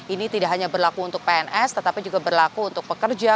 ini tidak hanya berlaku untuk pns tetapi juga berlaku untuk pekerja